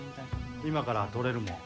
今から撮れるもん。